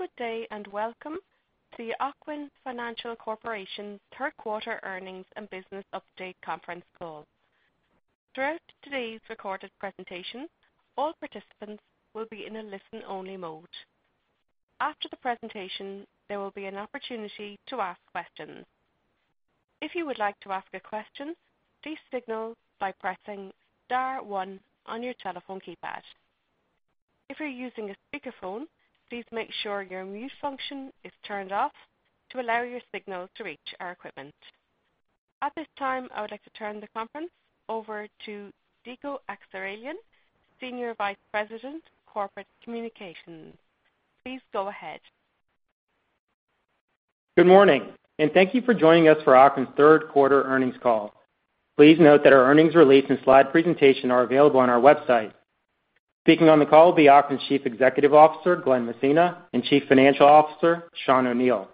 Good day, and welcome to Ocwen Financial Corporation third quarter earnings and business update conference call. Throughout today's recorded presentation, all participants will be in a listen-only mode. After the presentation, there will be an opportunity to ask questions. If you would like to ask a question, please signal by pressing star one on your telephone keypad. If you're using a speakerphone, please make sure your mute function is turned off to allow your signal to reach our equipment. At this time, I would like to turn the conference over to Dico Akseraylian, Senior Vice President, Corporate Communications. Please go ahead. Good morning, and thank you for joining us for Ocwen third quarter earnings call. Please note that our earnings release and slide presentation are available on our website. Speaking on the call will be Ocwen's Chief Executive Officer, Glen Messina, and Chief Financial Officer, Sean O'Neil.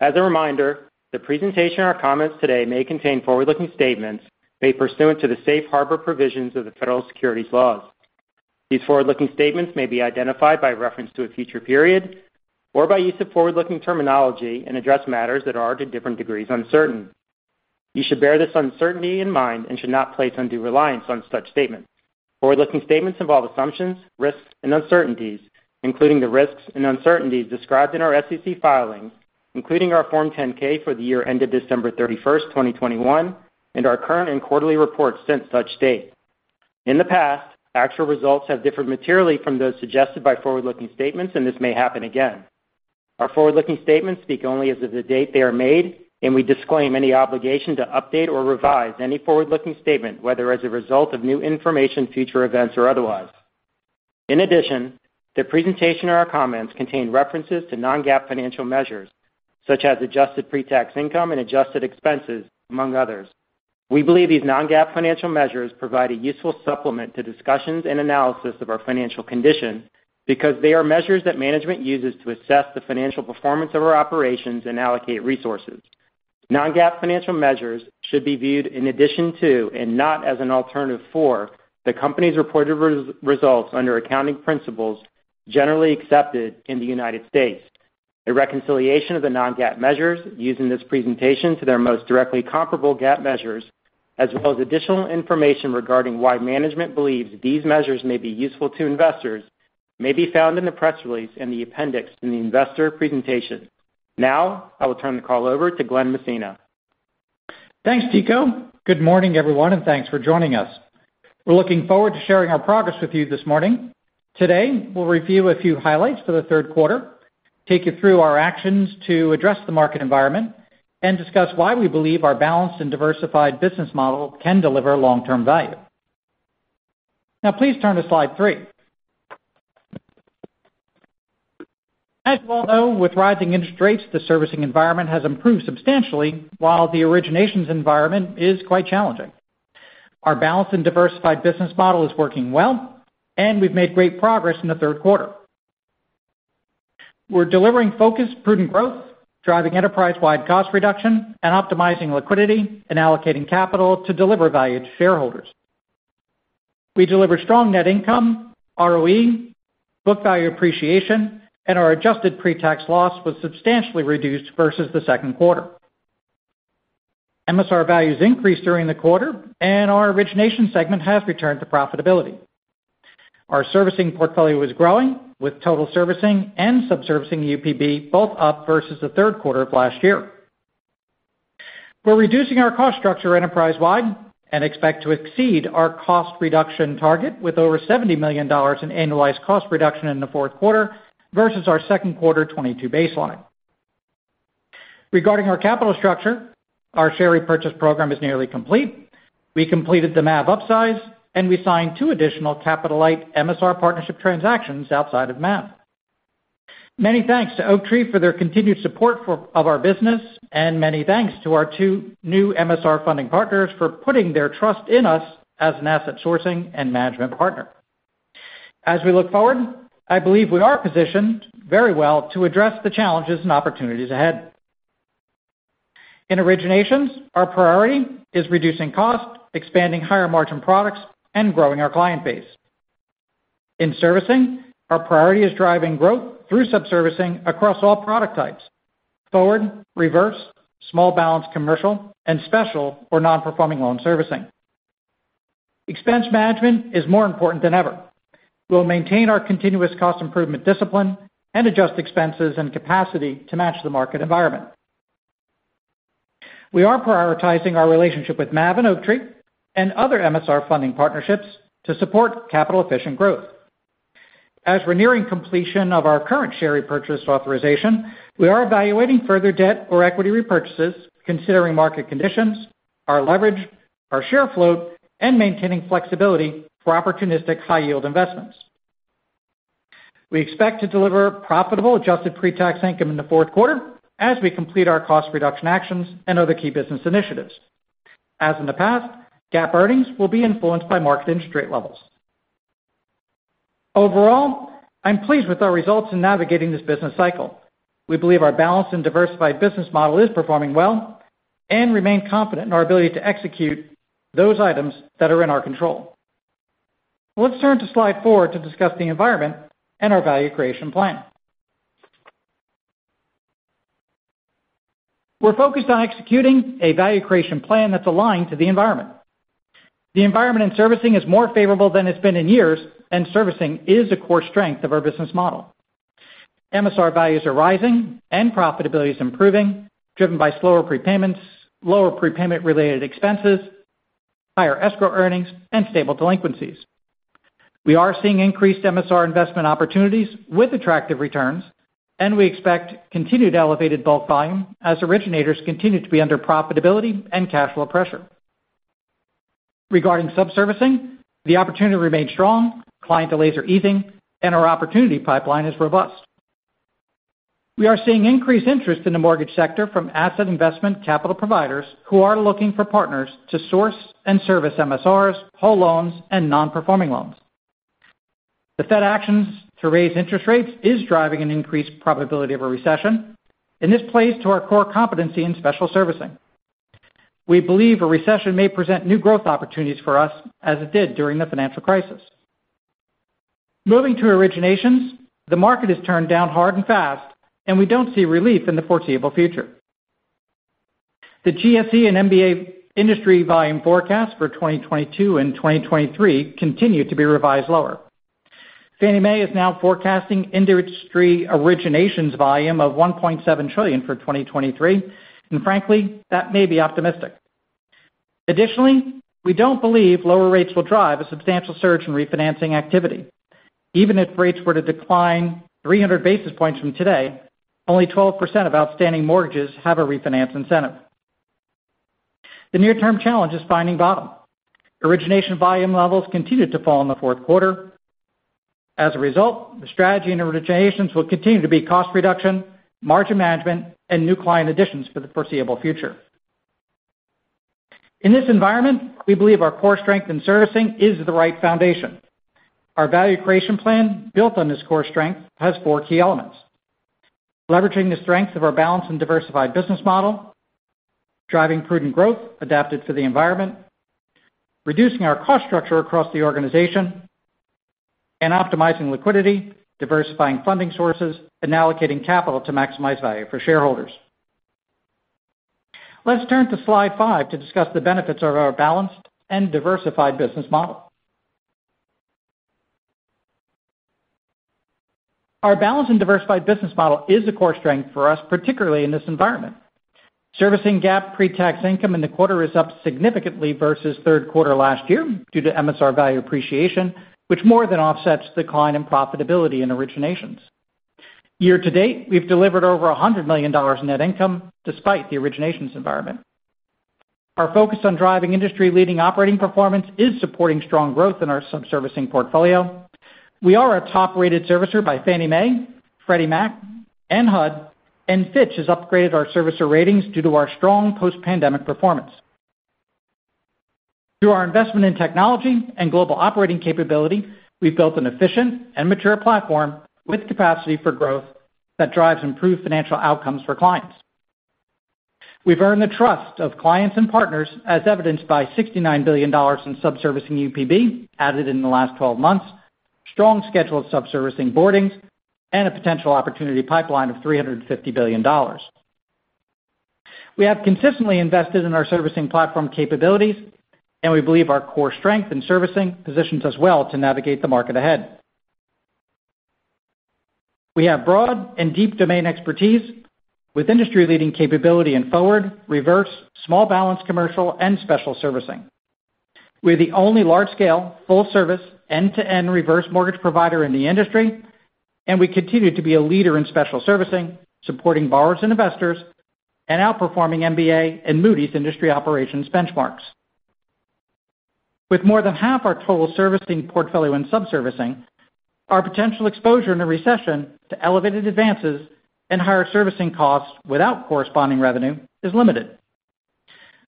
As a reminder, the presentation or comments today may contain forward-looking statements made pursuant to the safe harbor provisions of the federal securities laws. These forward-looking statements may be identified by reference to a future period or by use of forward-looking terminology and address matters that are, to different degrees, uncertain. You should bear this uncertainty in mind and should not place undue reliance on such statements. Forward-looking statements involve assumptions, risks, and uncertainties, including the risks and uncertainties described in our SEC filings, including our Form 10-K for the year ended December 31, 2021, and our current and quarterly reports since such date. In the past, actual results have differed materially from those suggested by forward-looking statements, and this may happen again. Our forward-looking statements speak only as of the date they are made, and we disclaim any obligation to update or revise any forward-looking statement, whether as a result of new information, future events, or otherwise. In addition, the presentation or our comments contain references to non-GAAP financial measures such as adjusted pre-tax income and adjusted expenses, among others. We believe these non-GAAP financial measures provide a useful supplement to discussions and analysis of our financial condition because they are measures that management uses to assess the financial performance of our operations and allocate resources. Non-GAAP financial measures should be viewed in addition to, and not as an alternative for, the company's reported results under accounting principles generally accepted in the United States. The reconciliation of the non-GAAP measures using this presentation to their most directly comparable GAAP measures, as well as additional information regarding why management believes these measures may be useful to investors, may be found in the press release in the appendix in the investor presentation. Now, I will turn the call over to Glen Messina. Thanks, Dico. Good morning, everyone, and thanks for joining us. We're looking forward to sharing our progress with you this morning. Today, we'll review a few highlights for the third quarter, take you through our actions to address the market environment, and discuss why we believe our balanced and diversified business model can deliver long-term value. Now, please turn to slide three. As you all know, with rising interest rates, the servicing environment has improved substantially while the originations environment is quite challenging. Our balanced and diversified business model is working well, and we've made great progress in the third quarter. We're delivering focused, prudent growth, driving enterprise-wide cost reduction, and optimizing liquidity and allocating capital to deliver value to shareholders. We delivered strong net income, ROE, book value appreciation, and our adjusted pre-tax loss was substantially reduced versus the second quarter. MSR values increased during the quarter, and our origination segment has returned to profitability. Our servicing portfolio is growing, with total servicing and subservicing UPB both up versus the third quarter of last year. We're reducing our cost structure enterprise-wide and expect to exceed our cost reduction target with over $70 million in annualized cost reduction in the fourth quarter versus our second quarter 2022 baseline. Regarding our capital structure, our share repurchase program is nearly complete. We completed the MAV upsize, and we signed 2 additional capital-light MSR partnership transactions outside of MAV. Many thanks to Oaktree for their continued support of our business, and many thanks to our two new MSR funding partners for putting their trust in us as an asset sourcing and management partner. As we look forward, I believe we are positioned very well to address the challenges and opportunities ahead. In originations, our priority is reducing costs, expanding higher-margin products, and growing our client base. In servicing, our priority is driving growth through subservicing across all product types, forward, reverse, small balance commercial, and special or non-performing loan servicing. Expense management is more important than ever. We'll maintain our continuous cost improvement discipline and adjust expenses and capacity to match the market environment. We are prioritizing our relationship with MAV and Oaktree and other MSR funding partnerships to support capital-efficient growth. As we're nearing completion of our current share repurchase authorization, we are evaluating further debt or equity repurchases considering market conditions, our leverage, our share float, and maintaining flexibility for opportunistic high-yield investments. We expect to deliver profitable adjusted pre-tax income in the fourth quarter as we complete our cost reduction actions and other key business initiatives. As in the past, GAAP earnings will be influenced by market interest rate levels. Overall, I'm pleased with our results in navigating this business cycle. We believe our balanced and diversified business model is performing well and remain confident in our ability to execute those items that are in our control. Let's turn to slide four to discuss the environment and our value creation plan. We're focused on executing a value creation plan that's aligned to the environment. The environment in servicing is more favorable than it's been in years, and servicing is a core strength of our business model. MSR values are rising and profitability is improving, driven by slower prepayments, lower prepayment related expenses, higher escrow earnings, and stable delinquencies. We are seeing increased MSR investment opportunities with attractive returns, and we expect continued elevated bulk volume as originators continue to be under profitability and cash flow pressure. Regarding subservicing, the opportunity remains strong, client delays are easing, and our opportunity pipeline is robust. We are seeing increased interest in the mortgage sector from asset investment capital providers who are looking for partners to source and service MSRs, whole loans, and non-performing loans. The Fed actions to raise interest rates is driving an increased probability of a recession, and this plays to our core competency in special servicing. We believe a recession may present new growth opportunities for us as it did during the financial crisis. Moving to originations, the market has turned down hard and fast, and we don't see relief in the foreseeable future. The GSE and MBA industry volume forecast for 2022 and 2023 continue to be revised lower. Fannie Mae is now forecasting industry originations volume of $1.7 trillion for 2023, and frankly, that may be optimistic. Additionally, we don't believe lower rates will drive a substantial surge in refinancing activity. Even if rates were to decline 300 basis points from today, only 12% of outstanding mortgages have a refinance incentive. The near-term challenge is finding bottom. Origination volume levels continued to fall in the fourth quarter. As a result, the strategy in originations will continue to be cost reduction, margin management, and new client additions for the foreseeable future. In this environment, we believe our core strength in servicing is the right foundation. Our value creation plan built on this core strength has four key elements, leveraging the strength of our balanced and diversified business model, driving prudent growth adapted to the environment, reducing our cost structure across the organization, and optimizing liquidity, diversifying funding sources, and allocating capital to maximize value for shareholders. Let's turn to slide 5 to discuss the benefits of our balanced and diversified business model. Our balanced and diversified business model is a core strength for us, particularly in this environment. Servicing GAAP pre-tax income in the quarter is up significantly versus third quarter last year due to MSR value appreciation, which more than offsets decline in profitability in originations. Year-to-date, we've delivered over $100 million in net income despite the originations environment. Our focus on driving industry-leading operating performance is supporting strong growth in our subservicing portfolio. We are a top-rated servicer by Fannie Mae, Freddie Mac, and HUD, and Fitch has upgraded our servicer ratings due to our strong post-pandemic performance. Through our investment in technology and global operating capability, we've built an efficient and mature platform with capacity for growth that drives improved financial outcomes for clients. We've earned the trust of clients and partners, as evidenced by $69 billion in subservicing UPB added in the last 12 months, strong scheduled subservicing boardings, and a potential opportunity pipeline of $350 billion. We have consistently invested in our servicing platform capabilities, and we believe our core strength in servicing positions us well to navigate the market ahead. We have broad and deep domain expertise with industry-leading capability in forward, reverse, small balance commercial, and special servicing. We're the only large-scale, full-service, end-to-end reverse mortgage provider in the industry, and we continue to be a leader in special servicing, supporting borrowers and investors, and outperforming MBA and Moody's industry operations benchmarks. With more than half our total servicing portfolio in subservicing, our potential exposure in a recession to elevated advances and higher servicing costs without corresponding revenue is limited.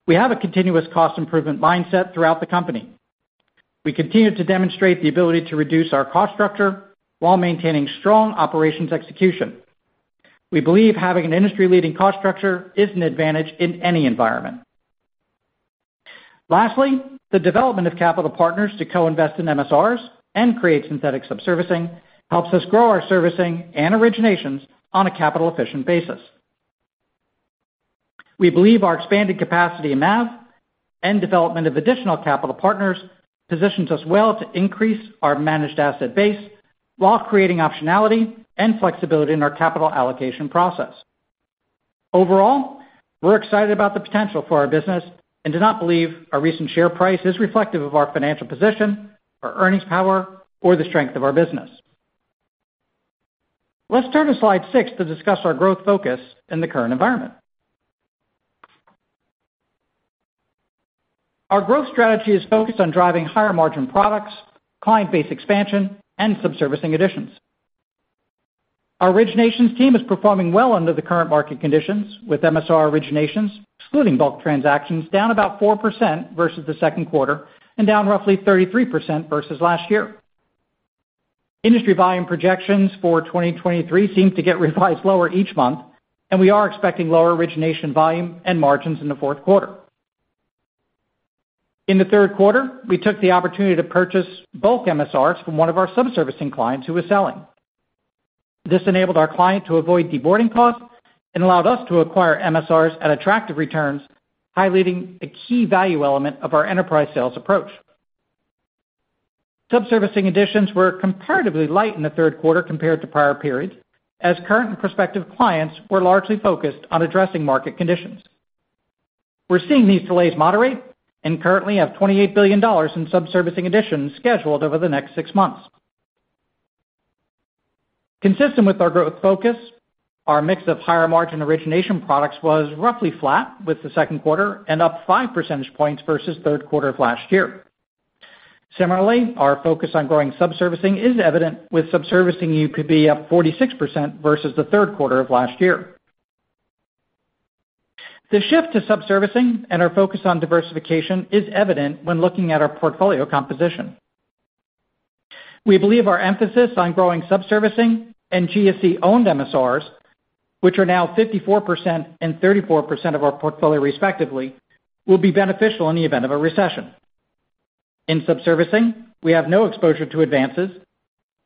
We have a continuous cost improvement mindset throughout the company. We continue to demonstrate the ability to reduce our cost structure while maintaining strong operations execution. We believe having an industry-leading cost structure is an advantage in any environment. Lastly, the development of capital partners to co-invest in MSRs and create synthetic subservicing helps us grow our servicing and originations on a capital-efficient basis. We believe our expanded capacity in MAV and development of additional capital partners positions us well to increase our managed asset base while creating optionality and flexibility in our capital allocation process. Overall, we're excited about the potential for our business and do not believe our recent share price is reflective of our financial position, our earnings power, or the strength of our business. Let's turn to slide six to discuss our growth focus in the current environment. Our growth strategy is focused on driving higher margin products, client base expansion, and subservicing additions. Our originations team is performing well under the current market conditions, with MSR originations, excluding bulk transactions, down about 4% versus the second quarter and down roughly 33% versus last year. Industry volume projections for 2023 seem to get revised lower each month, and we are expecting lower origination volume and margins in the fourth quarter. In the third quarter, we took the opportunity to purchase bulk MSRs from one of our sub-servicing clients who was selling. This enabled our client to avoid deboarding costs and allowed us to acquire MSRs at attractive returns, highlighting a key value element of our enterprise sales approach. Sub-servicing additions were comparatively light in the third quarter compared to prior periods, as current and prospective clients were largely focused on addressing market conditions. We're seeing these delays moderate and currently have $28 billion in sub-servicing additions scheduled over the next six months. Consistent with our growth focus, our mix of higher-margin origination products was roughly flat with the second quarter and up 5 percentage points versus third quarter of last year. Similarly, our focus on growing sub-servicing is evident, with sub-servicing UPB up 46% versus the third quarter of last year. The shift to sub-servicing and our focus on diversification is evident when looking at our portfolio composition. We believe our emphasis on growing sub-servicing and GSE-owned MSRs, which are now 54% and 34% of our portfolio respectively, will be beneficial in the event of a recession. In sub-servicing, we have no exposure to advances,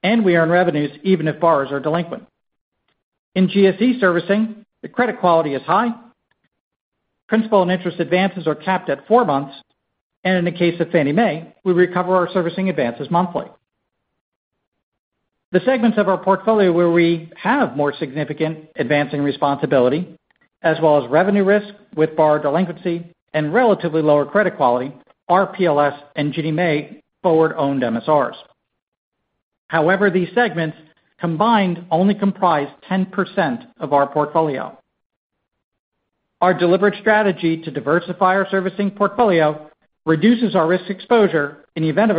and we earn revenues even if borrowers are delinquent. In GSE servicing, the credit quality is high, principal and interest advances are capped at four months, and in the case of Fannie Mae, we recover our servicing advances monthly. The segments of our portfolio where we have more significant advancing responsibility, as well as revenue risk with borrower delinquency and relatively lower credit quality, are PLS and Ginnie Mae forward-owned MSRs. However, these segments combined only comprise 10% of our portfolio. Our deliberate strategy to diversify our servicing portfolio reduces our risk exposure in the event of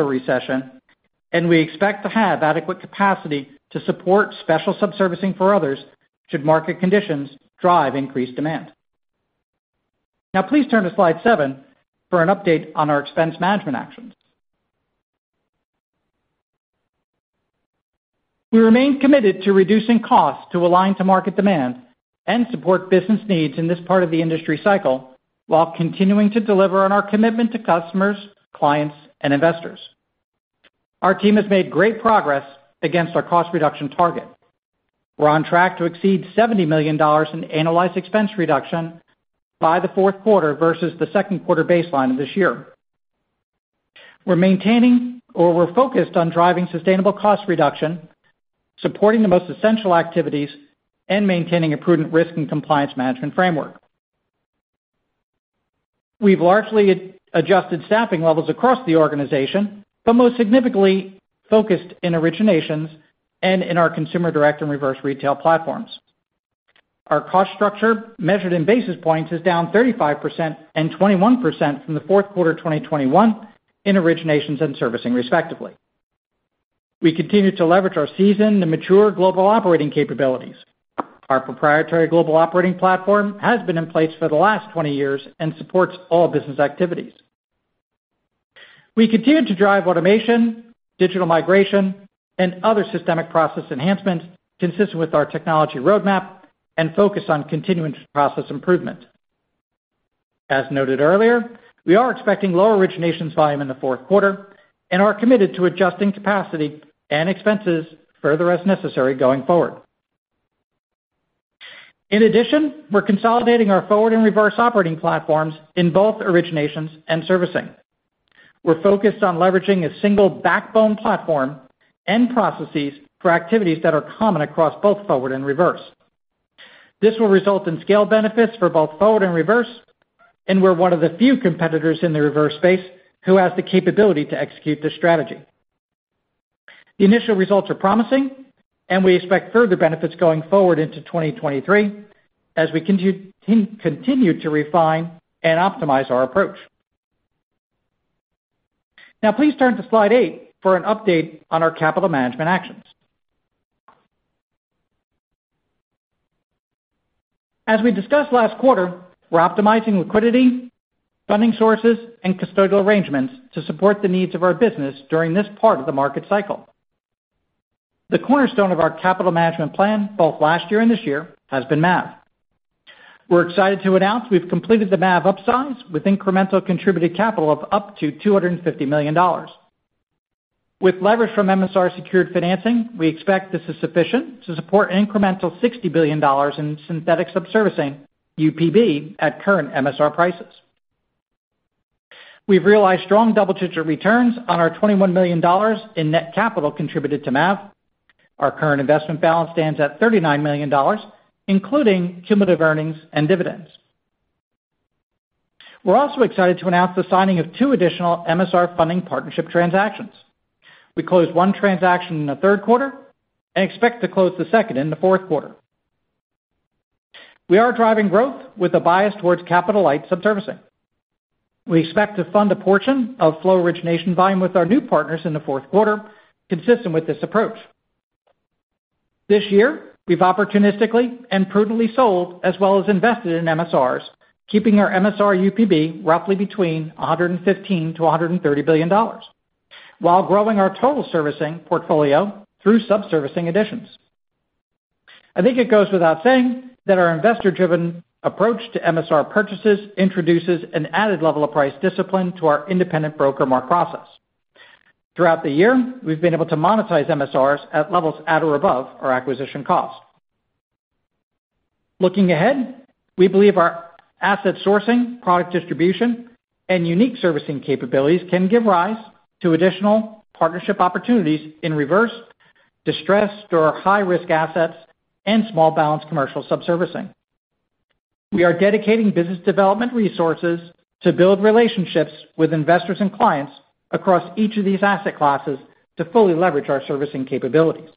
a recession, and we expect to have adequate capacity to support special sub-servicing for others should market conditions drive increased demand. Now please turn to slide seven for an update on our expense management actions. We remain committed to reducing costs to align to market demand and support business needs in this part of the industry cycle while continuing to deliver on our commitment to customers, clients, and investors. Our team has made great progress against our cost reduction target. We're on track to exceed $70 million in annualized expense reduction by the fourth quarter versus the second quarter baseline of this year. We're focused on driving sustainable cost reduction, supporting the most essential activities, and maintaining a prudent risk and compliance management framework. We've largely adjusted staffing levels across the organization, but most significantly focused in originations and in our consumer direct and reverse retail platforms. Our cost structure, measured in basis points, is down 35% and 21% from the fourth quarter of 2021 in originations and servicing respectively. We continue to leverage our seasoned and mature global operating capabilities. Our proprietary global operating platform has been in place for the last 20 years and supports all business activities. We continue to drive automation, digital migration, and other systemic process enhancements consistent with our technology roadmap and focus on continuing process improvement. As noted earlier, we are expecting lower originations volume in the fourth quarter and are committed to adjusting capacity and expenses further as necessary going forward. In addition, we're consolidating our forward and reverse operating platforms in both originations and servicing. We're focused on leveraging a single backbone platform and processes for activities that are common across both forward and reverse. This will result in scale benefits for both forward and reverse, and we're one of the few competitors in the reverse space who has the capability to execute this strategy. The initial results are promising, and we expect further benefits going forward into 2023 as we continue to refine and optimize our approach. Now please turn to slide 8 for an update on our capital management actions. As we discussed last quarter, we're optimizing liquidity, funding sources, and custodial arrangements to support the needs of our business during this part of the market cycle. The cornerstone of our capital management plan, both last year and this year, has been MAV. We're excited to announce we've completed the MAV upsize with incremental contributed capital of up to $250 million. With leverage from MSR secured financing, we expect this is sufficient to support an incremental $60 billion in synthetic sub-servicing UPB at current MSR prices. We've realized strong double-digit returns on our $21 million in net capital contributed to MAV. Our current investment balance stands at $39 million, including cumulative earnings and dividends. We're also excited to announce the signing of 2 additional MSR funding partnership transactions. We closed 1 transaction in the third quarter and expect to close the second in the fourth quarter. We are driving growth with a bias towards capital-light subservicing. We expect to fund a portion of flow origination volume with our new partners in the fourth quarter, consistent with this approach. This year, we've opportunistically and prudently sold as well as invested in MSRs, keeping our MSR UPB roughly between $115 billion-$130 billion, while growing our total servicing portfolio through subservicing additions. I think it goes without saying that our investor-driven approach to MSR purchases introduces an added level of price discipline to our independent broker mark process. Throughout the year, we've been able to monetize MSRs at levels at or above our acquisition cost. Looking ahead, we believe our asset sourcing, product distribution, and unique servicing capabilities can give rise to additional partnership opportunities in reverse, distressed or high-risk assets, and small balance commercial subservicing. We are dedicating business development resources to build relationships with investors and clients across each of these asset classes to fully leverage our servicing capabilities.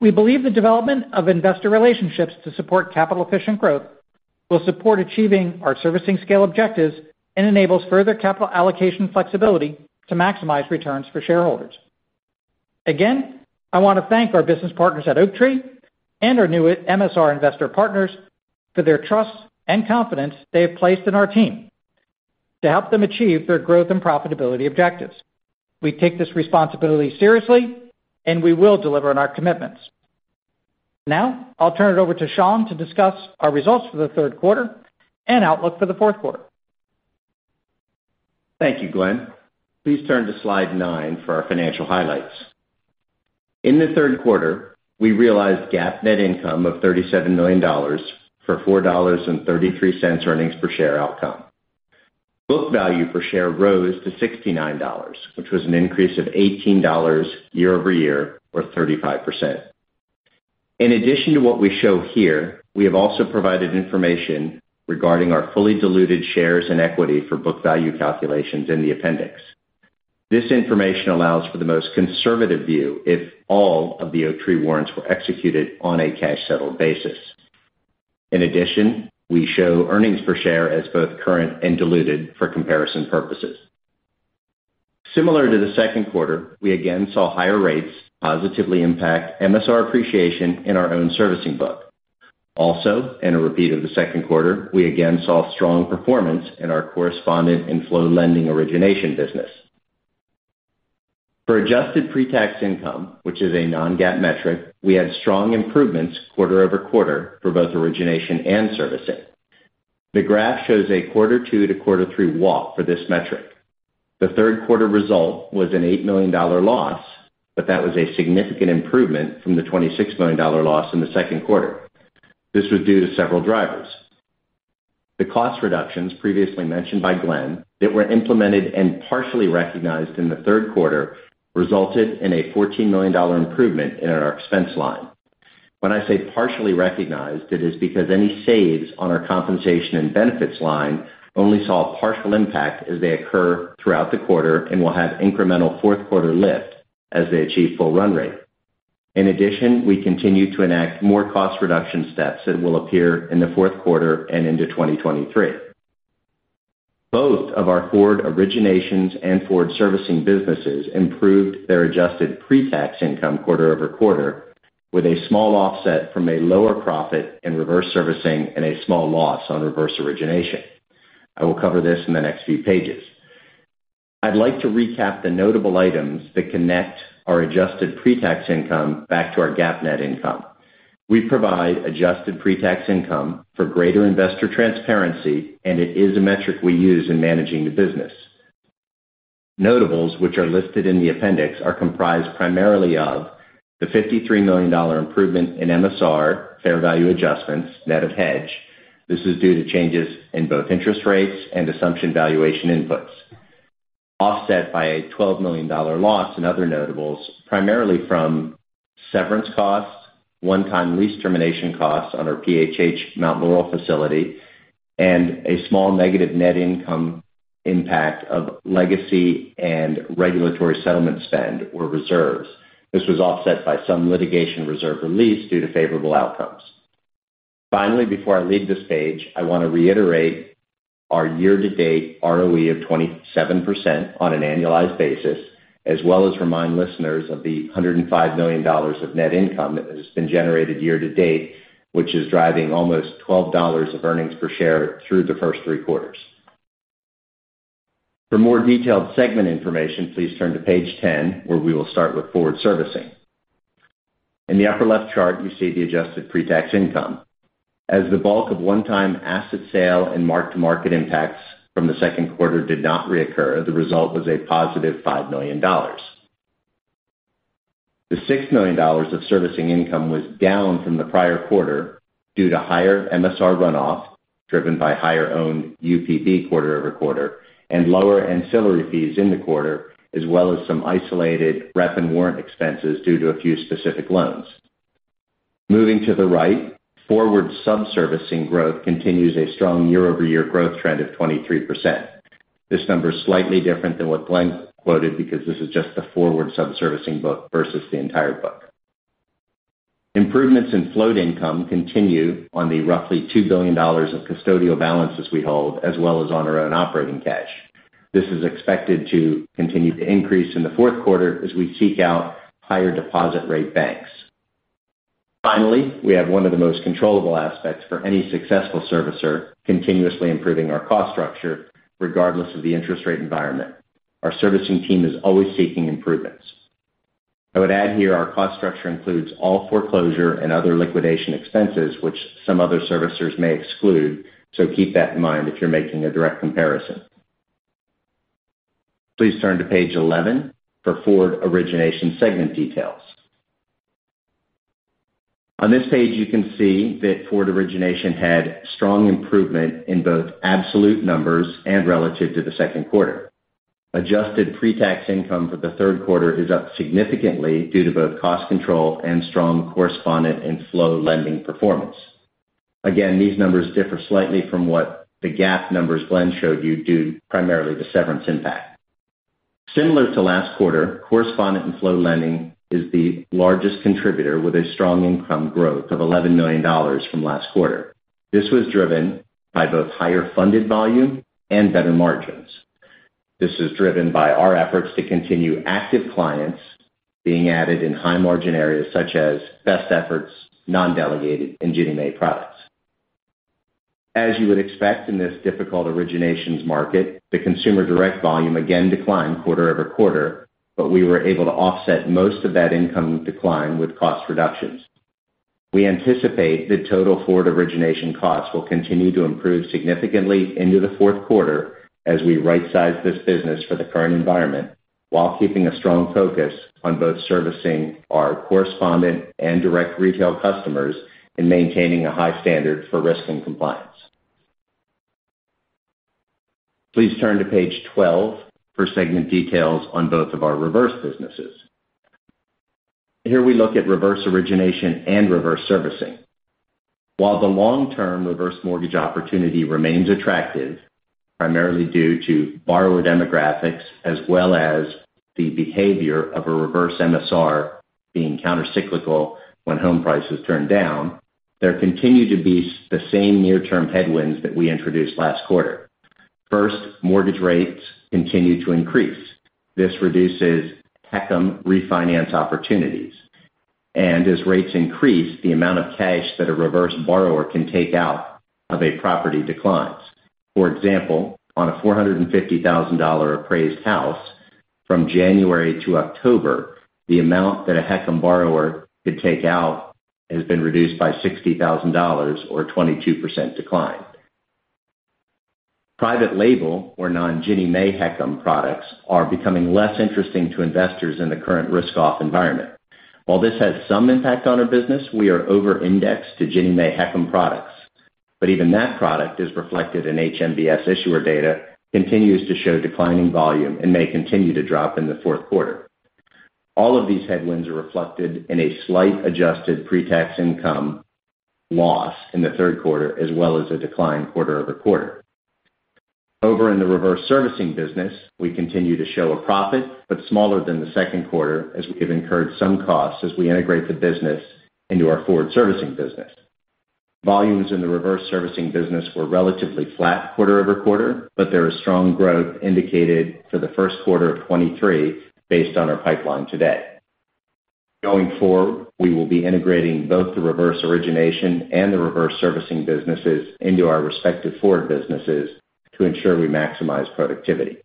We believe the development of investor relationships to support capital-efficient growth will support achieving our servicing scale objectives and enables further capital allocation flexibility to maximize returns for shareholders. Again, I want to thank our business partners at Oaktree and our new MSR investor partners for their trust and confidence they have placed in our team to help them achieve their growth and profitability objectives. We take this responsibility seriously, and we will deliver on our commitments. Now, I'll turn it over to Sean to discuss our results for the third quarter and outlook for the fourth quarter. Thank you, Glen. Please turn to slide 9 for our financial highlights. In the third quarter, we realized GAAP net income of $37 million, or $4.33 earnings per share. Book value per share rose to $69, which was an increase of $18 year-over-year or 35%. In addition to what we show here, we have also provided information regarding our fully diluted shares in equity for book value calculations in the appendix. This information allows for the most conservative view if all of the Oaktree warrants were executed on a cash-settled basis. In addition, we show earnings per share as both current and diluted for comparison purposes. Similar to the second quarter, we again saw higher rates positively impact MSR appreciation in our own servicing book. Also, in a repeat of the second quarter, we again saw strong performance in our correspondent and flow lending origination business. For adjusted pre-tax income, which is a non-GAAP metric, we had strong improvements quarter-over-quarter for both origination and servicing. The graph shows a quarter two to quarter three walk for this metric. The third quarter result was an $8 million loss, but that was a significant improvement from the $26 million loss in the second quarter. This was due to several drivers. The cost reductions previously mentioned by Glen that were implemented and partially recognized in the third quarter resulted in a $14 million improvement in our expense line. When I say partially recognized, it is because any saves on our compensation and benefits line only saw partial impact as they occur throughout the quarter and will have incremental fourth quarter lift as they achieve full run rate. In addition, we continue to enact more cost reduction steps that will appear in the fourth quarter and into 2023. Both of our forward originations and forward servicing businesses improved their adjusted pre-tax income quarter-over-quarter with a small offset from a lower profit in reverse servicing and a small loss on reverse origination. I will cover this in the next few pages. I'd like to recap the notable items that connect our adjusted pre-tax income back to our GAAP net income. We provide adjusted pre-tax income for greater investor transparency, and it is a metric we use in managing the business. Notables, which are listed in the appendix, are comprised primarily of the $53 million improvement in MSR fair value adjustments, net of hedge. This is due to changes in both interest rates and assumption valuation inputs, offset by a $12 million loss in other notables, primarily from severance costs, one-time lease termination costs on our PHH Mount Laurel facility, and a small negative net income impact of legacy and regulatory settlement spend or reserves. This was offset by some litigation reserve release due to favorable outcomes. Finally, before I leave the stage, I want to reiterate our year-to-date ROE of 27% on an annualized basis, as well as remind listeners of the $105 million of net income that has been generated year-to-date, which is driving almost $12 of earnings per share through the first three quarters. For more detailed segment information, please turn to page 10, where we will start with forward servicing. In the upper left chart, you see the adjusted pre-tax income. As the bulk of one-time asset sale and mark-to-market impacts from the second quarter did not reoccur, the result was a positive $5 million. The $6 million of servicing income was down from the prior quarter due to higher MSR runoff, driven by higher own UPB quarter-over-quarter, and lower ancillary fees in the quarter, as well as some isolated rep and warrant expenses due to a few specific loans. Moving to the right, forward subservicing growth continues a strong year-over-year growth trend of 23%. This number is slightly different than what Glen quoted because this is just the forward sub-servicing book versus the entire book. Improvements in float income continue on the roughly $2 billion of custodial balances we hold, as well as on our own operating cash. This is expected to continue to increase in the fourth quarter as we seek out higher deposit rate banks. Finally, we have one of the most controllable aspects for any successful servicer, continuously improving our cost structure regardless of the interest rate environment. Our servicing team is always seeking improvements. I would add here our cost structure includes all foreclosure and other liquidation expenses, which some other servicers may exclude. Keep that in mind if you're making a direct comparison. Please turn to page 11 for forward origination segment details. On this page, you can see that forward origination had strong improvement in both absolute numbers and relative to the second quarter. Adjusted pre-tax income for the third quarter is up significantly due to both cost control and strong correspondent and flow lending performance. Again, these numbers differ slightly from what the GAAP numbers Glen showed you due primarily to severance impact. Similar to last quarter, correspondent and flow lending is the largest contributor with a strong income growth of $11 million from last quarter. This was driven by both higher funded volume and better margins. This is driven by our efforts to continue active clients being added in high margin areas such as best efforts, non-delegated, and Ginnie Mae products. As you would expect in this difficult originations market, the consumer direct volume again declined quarter-over-quarter, but we were able to offset most of that income decline with cost reductions. We anticipate the total forward origination costs will continue to improve significantly into the fourth quarter as we right-size this business for the current environment while keeping a strong focus on both servicing our correspondent and direct retail customers and maintaining a high standard for risk and compliance. Please turn to page 12 for segment details on both of our reverse businesses. Here we look at reverse origination and reverse servicing. While the long-term reverse mortgage opportunity remains attractive, primarily due to borrower demographics as well as the behavior of a reverse MSR being countercyclical when home prices turn down, there continue to be the same near-term headwinds that we introduced last quarter. First, mortgage rates continue to increase. This reduces HECM refinance opportunities. As rates increase, the amount of cash that a reverse borrower can take out of a property declines. For example, on a $450,000 appraised house from January to October, the amount that a HECM borrower could take out has been reduced by $60,000 or 22% decline. Private label or non-Ginnie Mae HECM products are becoming less interesting to investors in the current risk off environment. While this has some impact on our business, we are over-indexed to Ginnie Mae HECM products. Even that product is reflected in HMBS issuer data, continues to show declining volume and may continue to drop in the fourth quarter. All of these headwinds are reflected in a slight adjusted pre-tax income loss in the third quarter, as well as a quarter-over-quarter decline. Over in the reverse servicing business, we continue to show a profit, but smaller than the second quarter as we have incurred some costs as we integrate the business into our forward servicing business. Volumes in the reverse servicing business were relatively flat quarter-over-quarter, but there is strong growth indicated for the first quarter of 2023 based on our pipeline today. Going forward, we will be integrating both the reverse origination and the reverse servicing businesses into our respective forward businesses to ensure we maximize productivity.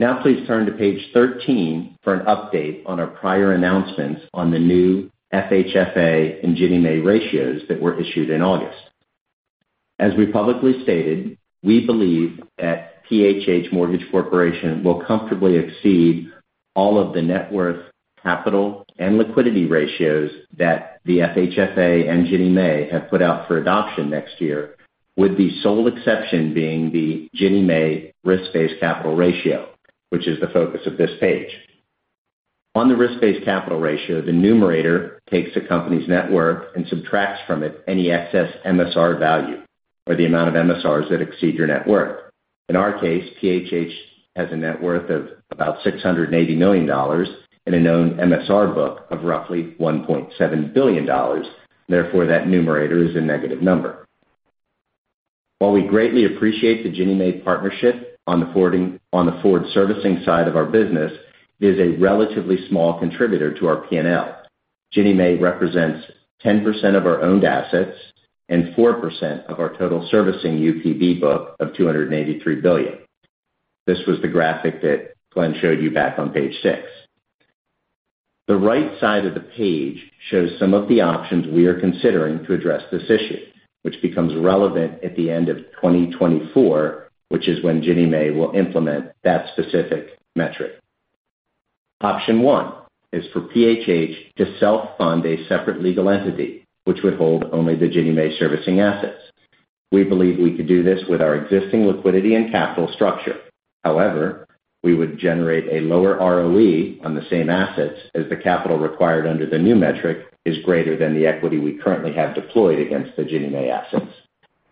Now please turn to page 13 for an update on our prior announcements on the new FHFA and Ginnie Mae ratios that were issued in August. As we publicly stated, we believe that PHH Mortgage Corporation will comfortably exceed all of the net worth, capital, and liquidity ratios that the FHFA and Ginnie Mae have put out for adoption next year, with the sole exception being the Ginnie Mae Risk-based Capital Ratio, which is the focus of this page. On the Risk-based Capital Ratio, the numerator takes the company's net worth and subtracts from it any excess MSR value or the amount of MSRs that exceed your net worth. In our case, PHH has a net worth of about $680 million and a known MSR book of roughly $1.7 billion. Therefore, that numerator is a negative number. While we greatly appreciate the Ginnie Mae partnership on the forward servicing side of our business, it is a relatively small contributor to our P&L. Ginnie Mae represents 10% of our owned assets and 4% of our total servicing UPB book of $283 billion. This was the graphic that Glen showed you back on page 6. The right side of the page shows some of the options we are considering to address this issue, which becomes relevant at the end of 2024, which is when Ginnie Mae will implement that specific metric. Option 1 is for PHH to self-fund a separate legal entity, which would hold only the Ginnie Mae servicing assets. We believe we could do this with our existing liquidity and capital structure. However, we would generate a lower ROE on the same assets as the capital required under the new metric is greater than the equity we currently have deployed against the Ginnie Mae assets.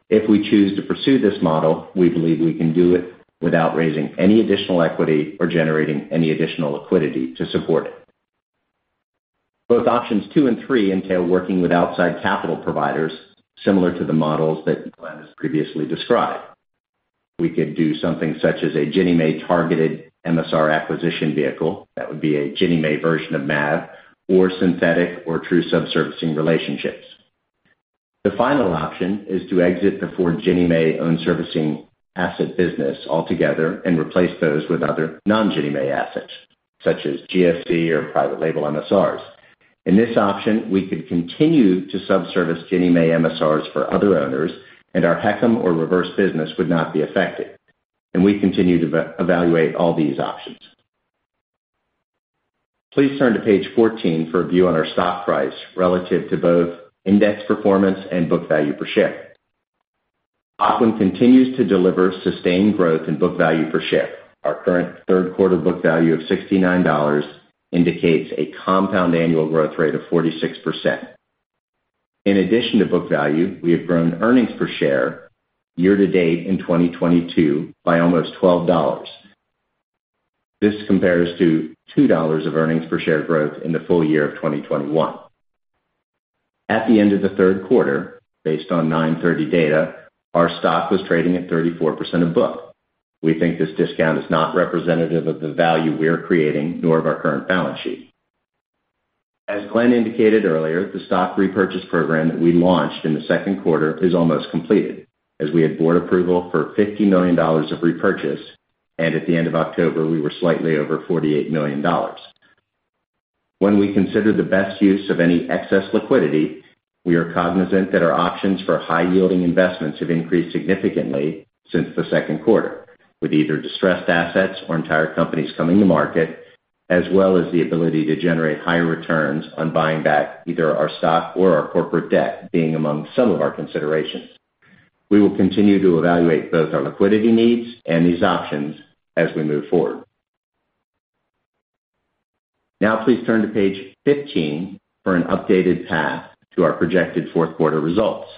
If we choose to pursue this model, we believe we can do it without raising any additional equity or generating any additional liquidity to support it. Both options 2 and 3 entail working with outside capital providers similar to the models that Glen has previously described. We could do something such as a Ginnie Mae targeted MSR acquisition vehicle that would be a Ginnie Mae version of MAV or synthetic or true subservicing relationships. The final option is to exit the forward Ginnie Mae owned servicing asset business altogether and replace those with other non-Ginnie Mae assets, such as GSE or private label MSRs. In this option, we could continue to subservice Ginnie Mae MSRs for other owners, and our HECM or reverse business would not be affected. We continue to evaluate all these options. Please turn to page 14 for a view on our stock price relative to both index performance and book value per share. Ocwen continues to deliver sustained growth in book value per share. Our current third quarter book value of $69 indicates a compound annual growth rate of 46%. In addition to book value, we have grown earnings per share year-to-date in 2022 by almost $12. This compares to $2 of earnings per share growth in the full year of 2021. At the end of the third quarter, based on 9/30 data, our stock was trading at 34% of book. We think this discount is not representative of the value we are creating nor of our current balance sheet. As Glen indicated earlier, the stock repurchase program that we launched in the second quarter is almost completed as we had board approval for $50 million of repurchase, and at the end of October, we were slightly over $48 million. When we consider the best use of any excess liquidity, we are cognizant that our options for high-yielding investments have increased significantly since the second quarter, with either distressed assets or entire companies coming to market, as well as the ability to generate higher returns on buying back either our stock or our corporate debt being among some of our considerations. We will continue to evaluate both our liquidity needs and these options as we move forward. Now please turn to page 15 for an updated path to our projected fourth quarter results.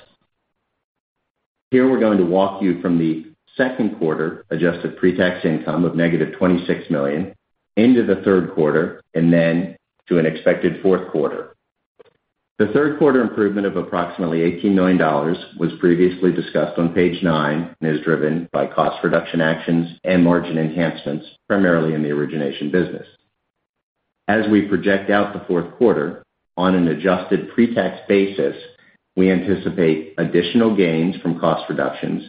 Here we're going to walk you from the second quarter adjusted pre-tax income of negative $26 million into the third quarter and then to an expected fourth quarter. The third quarter improvement of approximately $18 million was previously discussed on page 9 and is driven by cost reduction actions and margin enhancements, primarily in the origination business. As we project out the fourth quarter on an adjusted pre-tax basis, we anticipate additional gains from cost reductions,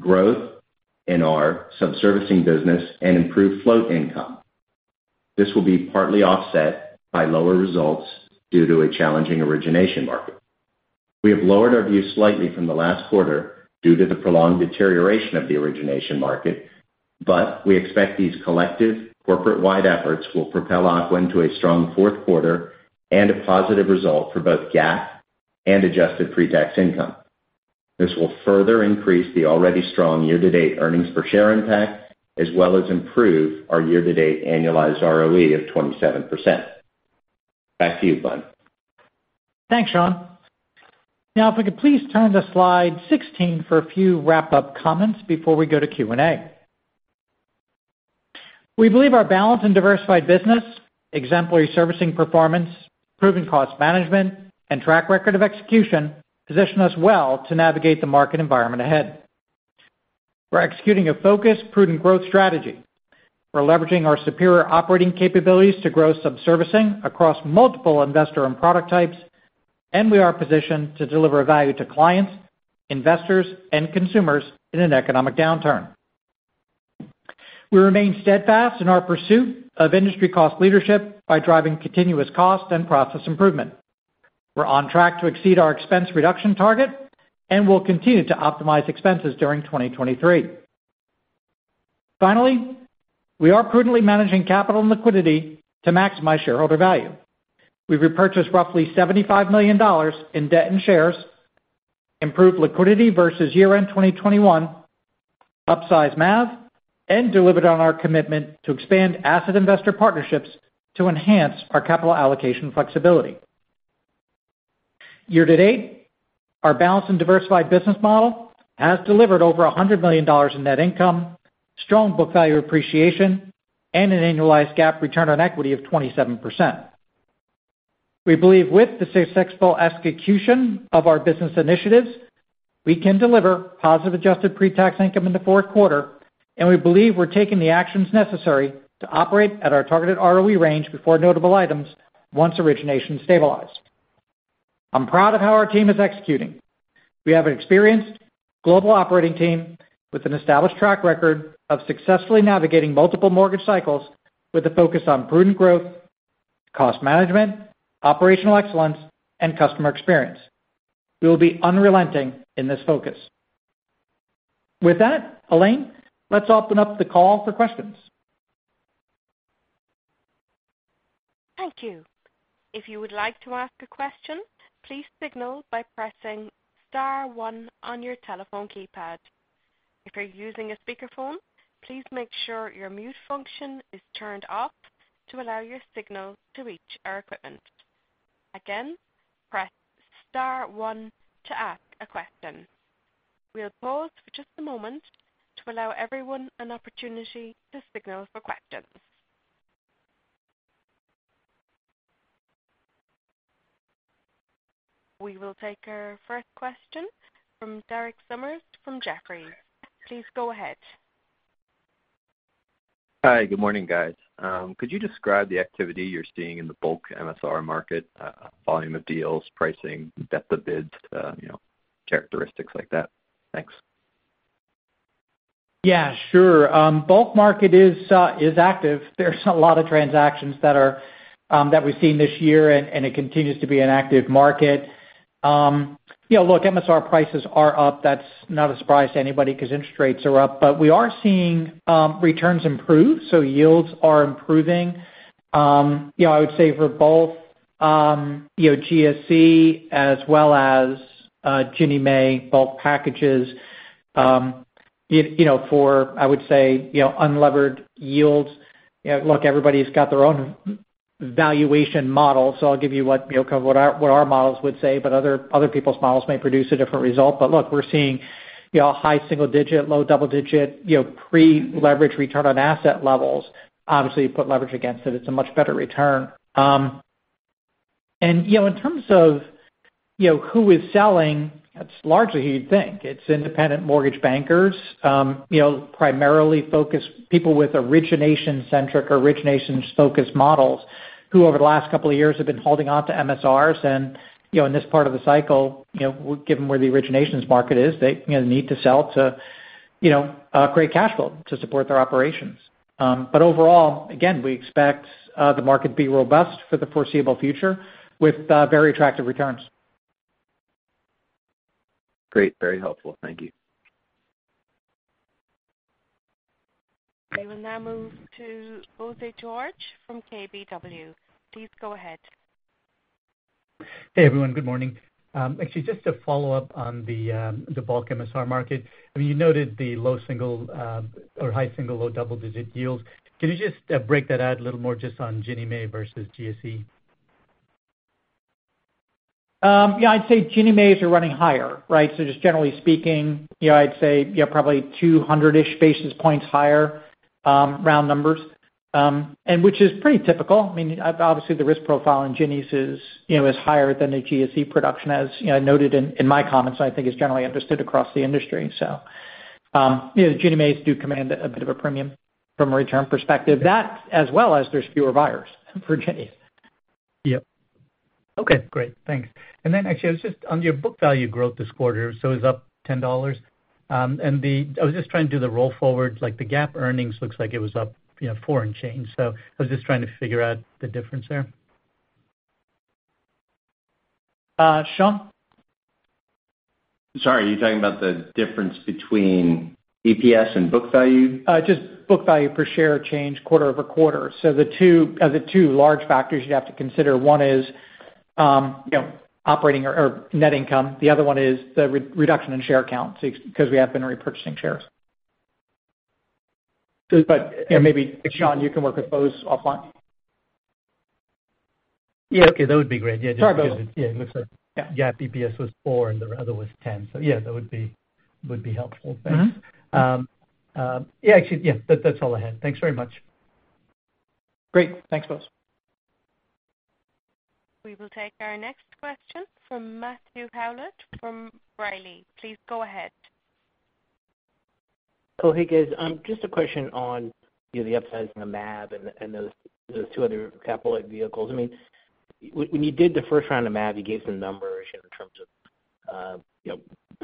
growth in our subservicing business, and improved float income. This will be partly offset by lower results due to a challenging origination market. We have lowered our view slightly from the last quarter due to the prolonged deterioration of the origination market, but we expect these collective corporate-wide efforts will propel Ocwen into a strong fourth quarter and a positive result for both GAAP and adjusted pre-tax income. This will further increase the already strong year-to-date earnings per share impact, as well as improve our year-to-date annualized ROE of 27%. Back to you, Bud. Thanks, Sean. Now, if we could please turn to slide 16 for a few wrap-up comments before we go to Q&A. We believe our balanced and diversified business, exemplary servicing performance, proven cost management, and track record of execution position us well to navigate the market environment ahead. We're executing a focused, prudent growth strategy. We're leveraging our superior operating capabilities to grow subservicing across multiple investor and product types, and we are positioned to deliver value to clients, investors, and consumers in an economic downturn. We remain steadfast in our pursuit of industry cost leadership by driving continuous cost and process improvement. We're on track to exceed our expense reduction target, and we'll continue to optimize expenses during 2023. Finally, we are prudently managing capital and liquidity to maximize shareholder value. We've repurchased roughly $75 million in debt and shares, improved liquidity versus year-end 2021, upsized MAV, and delivered on our commitment to expand asset investor partnerships to enhance our capital allocation flexibility. Year-to-date, our balanced and diversified business model has delivered over $100 million in net income, strong book value appreciation, and an annualized GAAP return on equity of 27%. We believe with the successful execution of our business initiatives, we can deliver positive adjusted pre-tax income in the fourth quarter, and we believe we're taking the actions necessary to operate at our targeted ROE range before notable items once origination stabilized. I'm proud of how our team is executing. We have an experienced global operating team with an established track record of successfully navigating multiple mortgage cycles with a focus on prudent growth, cost management, operational excellence, and customer experience. We will be unrelenting in this focus. With that, Elaine, let's open up the call for questions. Thank you. If you would like to ask a question, please signal by pressing star one on your telephone keypad. If you're using a speakerphone, please make sure your mute function is turned off to allow your signal to reach our equipment. Again, press star one to ask a question. We'll pause for just a moment to allow everyone an opportunity to signal for questions. We will take our first question from Derek Sommers from Jefferies. Please go ahead. Hi, good morning, guys. Could you describe the activity you're seeing in the bulk MSR market, volume of deals, pricing, depth of bids, you know, characteristics like that? Thanks. Yeah, sure. Bulk market is active. There's a lot of transactions that we've seen this year, and it continues to be an active market. You know, look, MSR prices are up. That's not a surprise to anybody 'cause interest rates are up. We are seeing returns improve, so yields are improving. You know, I would say for both, you know, GSE as well as, Ginnie Mae bulk packages, you know, for, I would say, you know, unlevered yields. You know, look, everybody's got their own valuation model, so I'll give you what, you know, kind of what our models would say, but other people's models may produce a different result. Look, we're seeing, you know, high single digit, low double digit, you know, pre-leverage return on asset levels. Obviously, you put leverage against it's a much better return. You know, in terms of, you know, who is selling, it's largely who you'd think. It's independent mortgage bankers, you know, primarily focused people with origination-centric or origination-focused models, who over the last couple of years have been holding on to MSRs. You know, in this part of the cycle, you know, given where the originations market is, they, you know, need to sell to, you know, create cash flow to support their operations. Overall, again, we expect the market to be robust for the foreseeable future with very attractive returns. Great. Very helpful. Thank you. We will now move to Bose George from KBW. Please go ahead. Hey, everyone. Good morning. Actually just to follow up on the bulk MSR market. I mean, you noted the low single or high single, low double-digit yields. Can you just break that out a little more just on Ginnie Mae versus GSE? Yeah, I'd say Ginnie Maes are running higher, right? Just generally speaking, you know, I'd say, you know, probably 200-ish basis points higher, round numbers. Which is pretty typical. I mean, obviously the risk profile in Ginnie Maes is, you know, higher than the GSE production as, you know, noted in my comments, and I think is generally understood across the industry. You know, Ginnie Maes do command a bit of a premium from a return perspective. That, as well as there's fewer buyers for Ginnie Maes. Yep. Okay, great. Thanks. Actually I was just on your book value growth this quarter, so it's up $10. I was just trying to do the roll forward, like the GAAP earnings looks like it was up, you know, $4 and change. I was just trying to figure out the difference there. Sean? Sorry, are you talking about the difference between EPS and book value? Just book value per share change quarter-over-quarter. The two large factors you'd have to consider. One is, you know, operating or net income. The other one is the reduction in share count 'cause we have been repurchasing shares. You know, maybe Sean, you can work with Bose offline. Yeah. Okay. That would be great. Yeah. Sorry about that. Yeah. It looks like. Yeah. Yeah, BPS was 4, and the other was 10. Yeah, that would be helpful. Thanks. Mm-hmm. Yeah, actually, yeah. That's all I had. Thanks very much. Great. Thanks, Bose. We will take our next question from Matthew Howlett from B. Riley. Please go ahead. Oh, hey, guys. Just a question on, you know, the upsizing of MAV and those two other capital-like vehicles. I mean, when you did the first round of MAV, you gave some numbers in terms of, you know,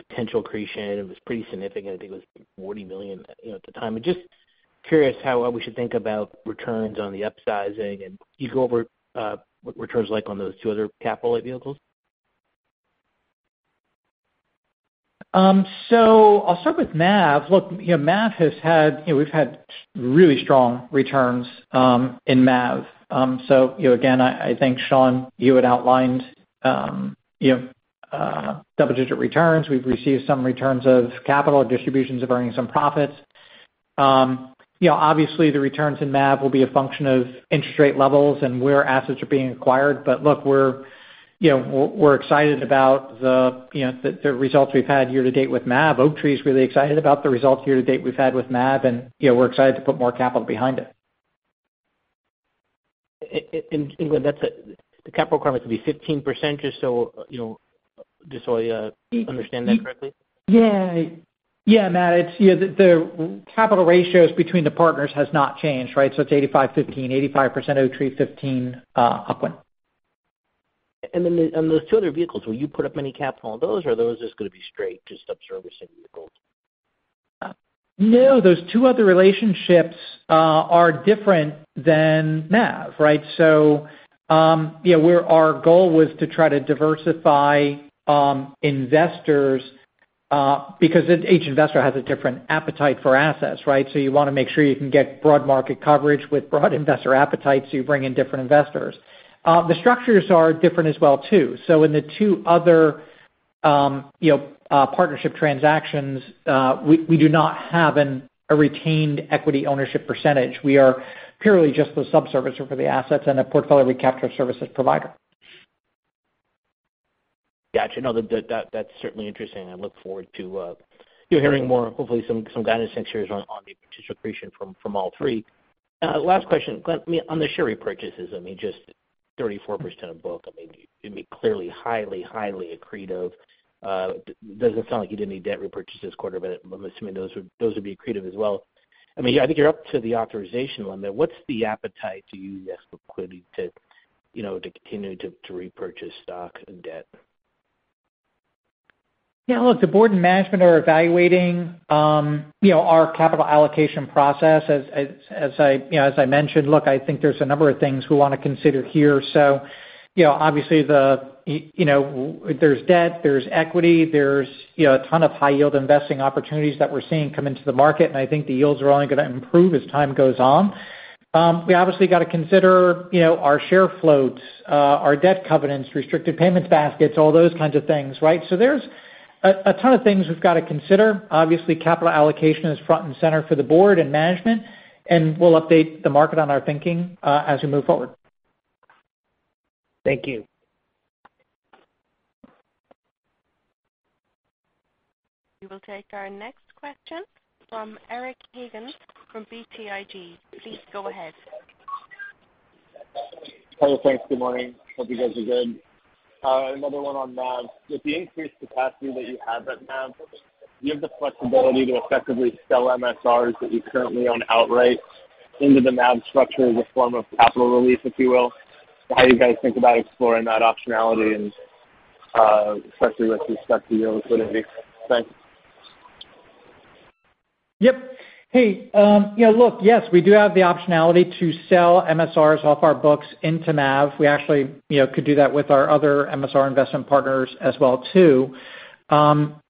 potential accretion. It was pretty significant. I think it was $40 million, you know, at the time. I'm just curious how we should think about returns on the upsizing. Can you go over what return's like on those two other capital-like vehicles? I'll start with MAV. You know, MAV has had. You know, we've had really strong returns in MAV. You know, again, I think, Sean, you had outlined you know, double-digit returns. We've received some returns of capital or distributions of earnings and profits. You know, obviously the returns in MAV will be a function of interest rate levels and where assets are being acquired. Look, you know, we're excited about the you know, the results we've had year to date with MAV. Oaktree is really excited about the results year to date we've had with MAV, and you know, we're excited to put more capital behind it. In England, that's the capital requirement will be 15% or so, you know, just so I understand that correctly. Yeah. Yeah, Matt, it's the capital ratios between the partners has not changed, right? It's 85, 15. 85% Oaktree, 15% Ocwen. On those two other vehicles, will you put up any capital on those, or are those just gonna be straight just subservicing vehicles? No, those two other relationships are different than MAV, right? You know, where our goal was to try to diversify investors because each investor has a different appetite for assets, right? You wanna make sure you can get broad market coverage with broad investor appetite, so you bring in different investors. The structures are different as well too. In the two other, you know, partnership transactions, we do not have a retained equity ownership percentage. We are purely just the sub-servicer for the assets and a portfolio recapture services provider. Got you. No, that's certainly interesting. I look forward to, you know, hearing more, hopefully some guidance entries on the potential accretion from all three. Last question. Glen, I mean, on the share repurchases, I mean, just 34% of book, I mean, it'd be clearly highly accretive. Doesn't sound like you did any debt repurchases quarter, but I'm assuming those would be accretive as well. I mean, I think you're up to the authorization limit. What's the appetite, do you use liquidity to, you know, continue to repurchase stock and debt? Yeah, look, the board and management are evaluating, you know, our capital allocation process. As I mentioned, look, I think there's a number of things we wanna consider here. You know, obviously, you know, there's debt, there's equity, there's, you know, a ton of high yield investing opportunities that we're seeing come into the market, and I think the yields are only gonna improve as time goes on. We obviously gotta consider, you know, our share floats, our debt covenants, restricted payments baskets, all those kinds of things, right? There's a ton of things we've gotta consider. Obviously, capital allocation is front and center for the board and management, and we'll update the market on our thinking as we move forward. Thank you. We will take our next question from Eric Hagen from BTIG. Please go ahead. Hey, thanks. Good morning. Hope you guys are good. Another one on MAV. With the increased capacity that you have at MAV, do you have the flexibility to effectively sell MSRs that you currently own outright into the MAV structure as a form of capital relief, if you will? How you guys think about exploring that optionality and, especially with respect to your liquidity. Thanks. Yep. Hey, you know, look, yes, we do have the optionality to sell MSRs off our books into MAV. We actually, you know, could do that with our other MSR investment partners as well too.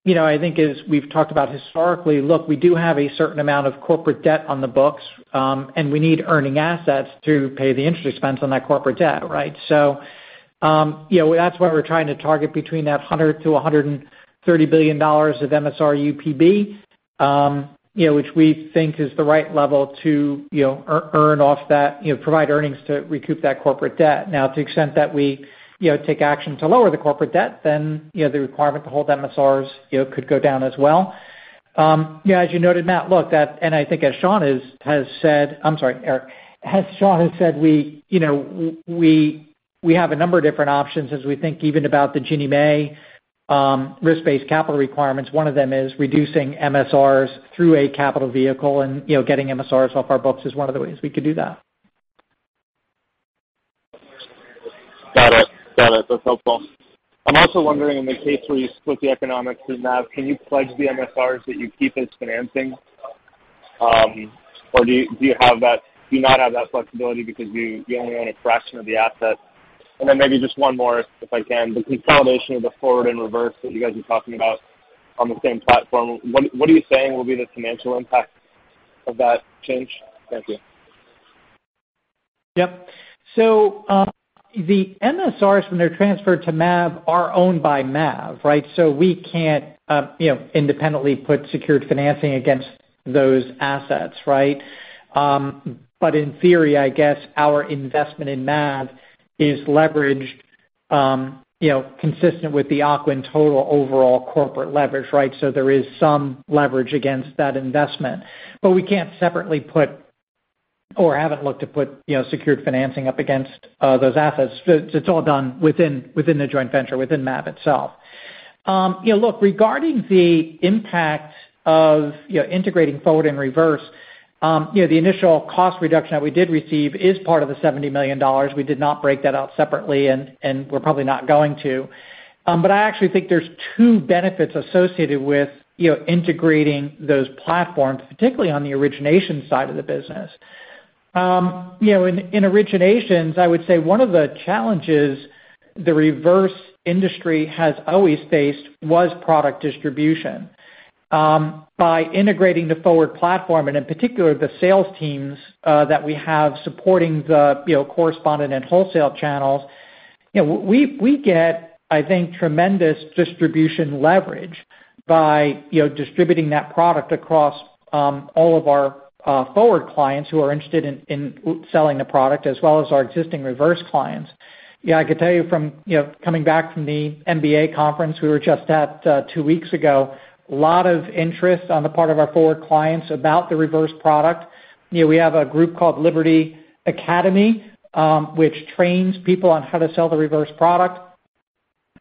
You know, I think as we've talked about historically, look, we do have a certain amount of corporate debt on the books, and we need earning assets to pay the interest expense on that corporate debt, right? That's why we're trying to target between $100 billion-$130 billion of MSR UPB, which we think is the right level to, you know, earn off that, you know, provide earnings to recoup that corporate debt. Now to the extent that we, you know, take action to lower the corporate debt, then, you know, the requirement to hold MSRs, you know, could go down as well. You know, as you noted, Matt, and I think as Sean has said. I'm sorry, Eric. As Sean has said, we, you know, we have a number of different options as we think even about the Ginnie Mae risk-based capital requirements. One of them is reducing MSRs through a capital vehicle and, you know, getting MSRs off our books is one of the ways we could do that. Got it. Got it. That's helpful. I'm also wondering, in the case where you split the economics with MAV, can you pledge the MSRs that you keep as financing? Or do you have that, do you not have that flexibility because you only own a fraction of the assets? Then maybe just one more, if I can. The consolidation of the forward and reverse that you guys are talking about on the same platform, what are you saying will be the financial impact of that change? Thank you. Yep. The MSRs when they're transferred to MAV are owned by MAV, right? We can't, you know, independently put secured financing against those assets, right? But in theory, I guess our investment in MAV is leveraged, you know, consistent with the Ocwen total overall corporate leverage, right? There is some leverage against that investment. We can't separately put or haven't looked to put, you know, secured financing up against those assets. It's all done within the joint venture, within MAV itself. You know, look, regarding the impact of, you know, integrating forward and reverse, you know, the initial cost reduction that we did receive is part of the $70 million. We did not break that out separately, and we're probably not going to. I actually think there's two benefits associated with, you know, integrating those platforms, particularly on the origination side of the business. You know, in originations, I would say one of the challenges the reverse industry has always faced was product distribution. By integrating the forward platform, and in particular the sales teams that we have supporting the, you know, correspondent and wholesale channels, you know, we get, I think, tremendous distribution leverage by, you know, distributing that product across all of our forward clients who are interested in selling the product as well as our existing reverse clients. You know, I could tell you from, you know, coming back from the MBA conference we were just at two weeks ago, a lot of interest on the part of our forward clients about the reverse product. You know, we have a group called Liberty Academy, which trains people on how to sell the reverse product.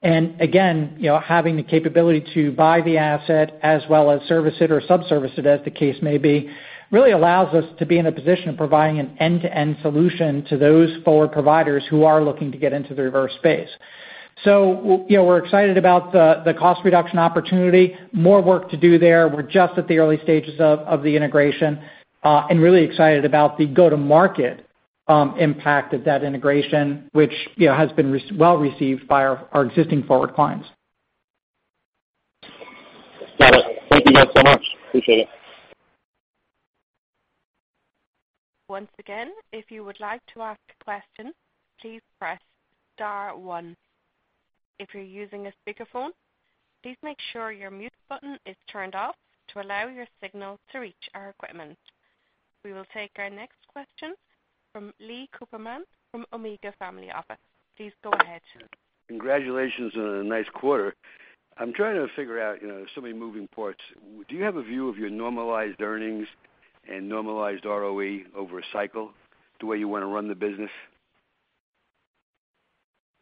Again, you know, having the capability to buy the asset as well as service it or sub-service it as the case may be, really allows us to be in a position of providing an end-to-end solution to those forward providers who are looking to get into the reverse space. We're excited about the cost reduction opportunity. More work to do there. We're just at the early stages of the integration and really excited about the go-to-market impact of that integration, which, you know, has been well received by our existing forward clients. Got it. Thank you both so much. Appreciate it. Once again, if you would like to ask a question, please press star one. If you're using a speakerphone, please make sure your mute button is turned off to allow your signal to reach our equipment. We will take our next question from Lee Cooperman from Omega Family Office. Please go ahead. Congratulations on a nice quarter. I'm trying to figure out, you know, there's so many moving parts. Do you have a view of your normalized earnings and normalized ROE over a cycle the way you wanna run the business?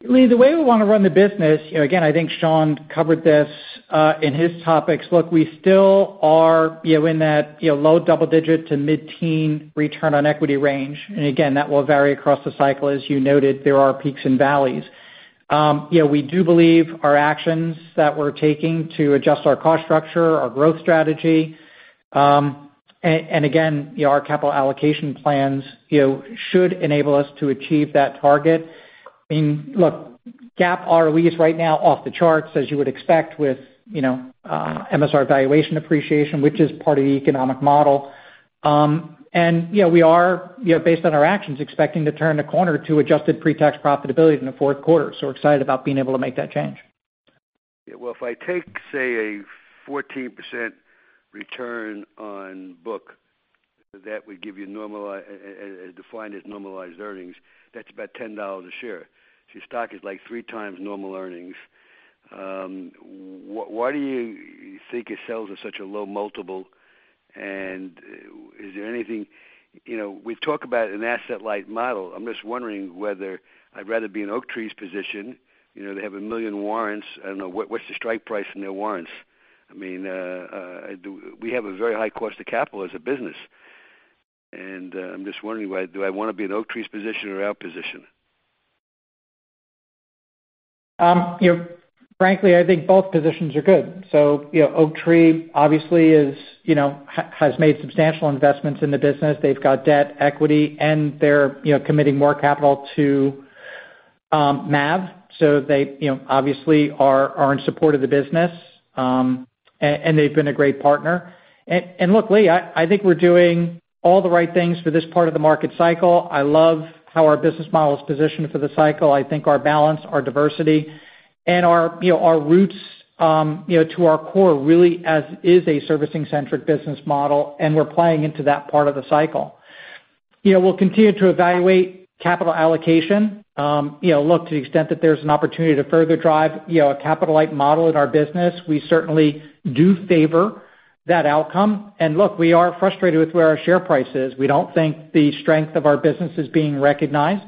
Lee, the way we wanna run the business, you know, again, I think Sean covered this in his topics. Look, we still are, you know, in that, you know, low double-digit to mid-teen return on equity range. Again, that will vary across the cycle. As you noted, there are peaks and valleys. You know, we do believe our actions that we're taking to adjust our cost structure, our growth strategy, and again, you know, our capital allocation plans, you know, should enable us to achieve that target. I mean, look, GAAP ROE is right now off the charts, as you would expect with, you know, MSR valuation appreciation, which is part of the economic model. We are, you know, based on our actions, expecting to turn the corner to adjusted pre-tax profitability in the fourth quarter. We're excited about being able to make that change. Yeah. Well, if I take, say, a 14% return on book, that would give you normalized earnings. That's about $10 a share. Your stock is, like, 3x normal earnings. Why do you think your sales are such a low multiple? And is there anything. You know, we talk about an asset-light model. I'm just wondering whether I'd rather be in Oaktree's position. You know, they have 1 million warrants. I don't know, what's the strike price in their warrants? I mean, do we have a very high cost to capital as a business, and I'm just wondering whether do I wanna be in Oaktree's position or our position? You know, frankly, I think both positions are good. Oaktree obviously is, you know, has made substantial investments in the business. They've got debt, equity, and they're, you know, committing more capital to, MAV. They, you know, obviously are in support of the business, and they've been a great partner. Look, Lee, I think we're doing all the right things for this part of the market cycle. I love how our business model is positioned for the cycle. I think our balance, our diversity and our, you know, our roots, you know, to our core really as a servicing-centric business model, and we're playing into that part of the cycle. You know, we'll continue to evaluate capital allocation. You know, look, to the extent that there's an opportunity to further drive, you know, a capital-light model at our business, we certainly do favor that outcome. Look, we are frustrated with where our share price is. We don't think the strength of our business is being recognized.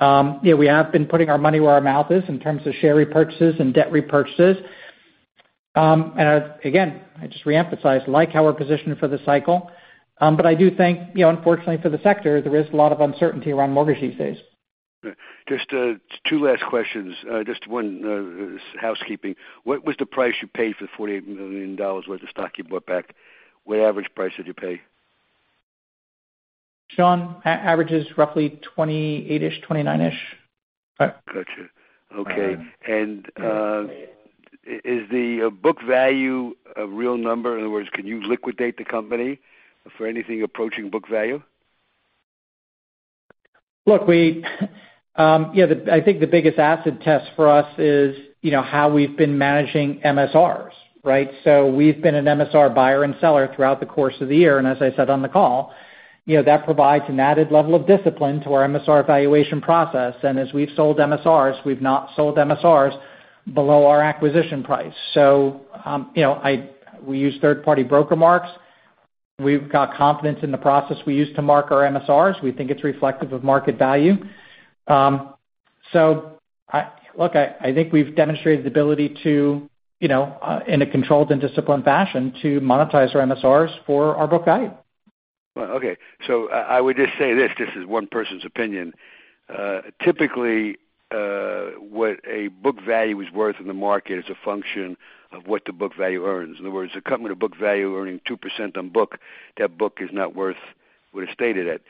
You know, we have been putting our money where our mouth is in terms of share repurchases and debt repurchases. And again, I just reemphasize, like our position for the cycle. But I do think, you know, unfortunately for the sector, there is a lot of uncertainty around mortgages these days. Just two last questions. Just one is housekeeping. What was the price you paid for the $48 million worth of stock you bought back? What average price did you pay? Sean, average is roughly 28-ish, 29-ish. Gotcha. Okay. Is the book value a real number? In other words, can you liquidate the company for anything approaching book value? Look, I think the biggest acid test for us is, you know, how we've been managing MSRs, right? We've been an MSR buyer and seller throughout the course of the year, and as I said on the call, you know, that provides an added level of discipline to our MSR valuation process. As we've sold MSRs, we've not sold MSRs below our acquisition price. You know, we use third-party broker marks. We've got confidence in the process we use to mark our MSRs. We think it's reflective of market value. I think we've demonstrated the ability to, you know, in a controlled and disciplined fashion, to monetize our MSRs for our book value. Well, okay. I would just say this, just as one person's opinion. Typically, what a book value is worth in the market is a function of what the book value earns. In other words, a company with book value earning 2% on book, that book is not worth what it's stated at.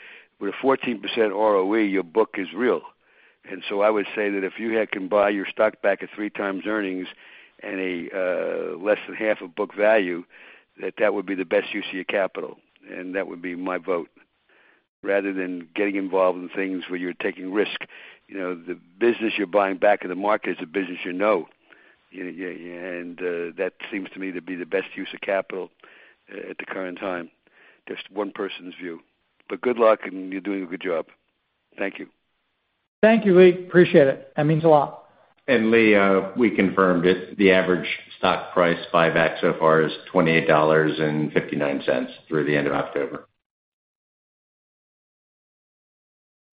With a 14% ROE, your book is real. I would say that if you can buy your stock back at 3x earnings and less than half of book value, that would be the best use of your capital, and that would be my vote. Rather than getting involved in things where you're taking risk, you know, the business you're buying back in the market is a business you know. that seems to me to be the best use of capital at the current time. Just one person's view. Good luck, and you're doing a good job. Thank you. Thank you, Lee. Appreciate it. That means a lot. Lee, we confirmed it. The average stock price buyback so far is $28.59 through the end of October.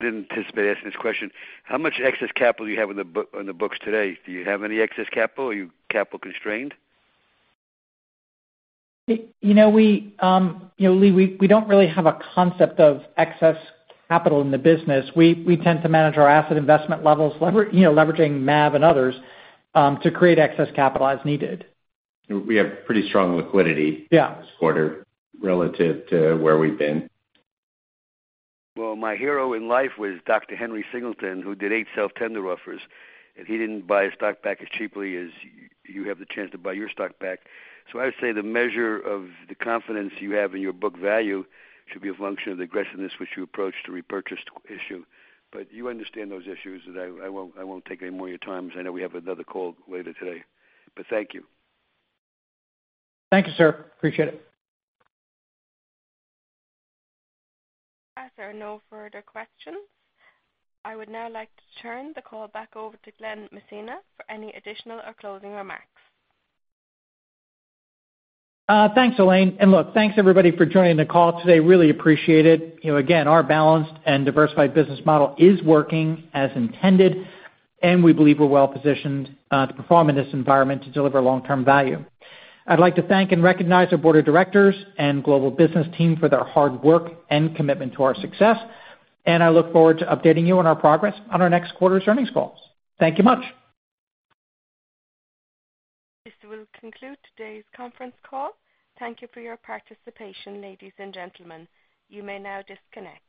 I didn't anticipate asking this question. How much excess capital do you have on the books today? Do you have any excess capital? Are you capital constrained? You know, Lee, we don't really have a concept of excess capital in the business. We tend to manage our asset investment levels, you know, leveraging MAV and others to create excess capital as needed. We have pretty strong liquidity. Yeah This quarter relative to where we've been. Well, my hero in life was Dr. Henry Singleton, who did eight self-tender offers, and he didn't buy his stock back as cheaply as you have the chance to buy your stock back. I would say the measure of the confidence you have in your book value should be a function of the aggressiveness which you approach the repurchase issue. You understand those issues, and I won't take any more of your time 'cause I know we have another call later today. Thank you. Thank you, sir. Appreciate it. As there are no further questions, I would now like to turn the call back over to Glen Messina for any additional or closing remarks. Thanks, Elaine. Look, thanks, everybody for joining the call today. Really appreciate it. You know, again, our balanced and diversified business model is working as intended, and we believe we're well positioned to perform in this environment to deliver long-term value. I'd like to thank and recognize our board of directors and global business team for their hard work and commitment to our success, and I look forward to updating you on our progress on our next quarter's earnings calls. Thank you much. This will conclude today's conference call. Thank you for your participation, ladies and gentlemen. You may now disconnect.